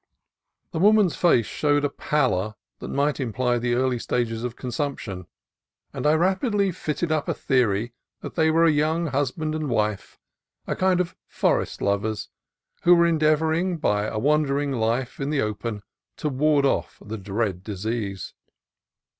The woman's face showed a pallor that might imply the early stages of consump tion, and I rapidly fitted up a theory that they were a young husband and wife, a kind of forest lovers, who were endeavoring, by a wandering life in the open, to ward off the dread disease.